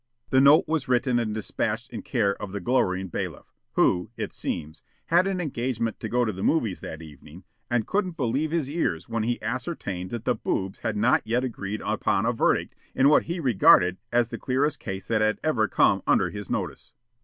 The note was written and despatched in care of the glowering bailiff, who, it seems, had an engagement to go to the movies that evening and couldn't believe his ears when he ascertained that the boobs had not yet agreed upon a verdict in what he regarded as the clearest case that had ever come under his notice.